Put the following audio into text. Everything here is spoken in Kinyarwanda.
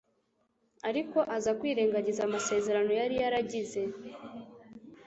ariko aza kwirengagiza amasezerano yari yaragize